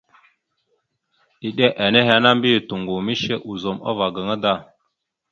Eɗe nehe ana mbiyez toŋgov mishe ozum ava gaŋa da.